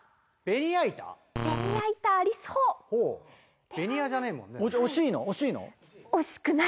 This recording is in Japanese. ベニヤじゃねえもんね。